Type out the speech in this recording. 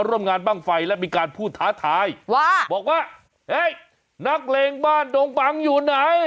ร่วมงานบ้างไฟและมีการพูดท้าทายว่าบอกว่าเฮ้ยนักเลงบ้านดงปังอยู่ไหน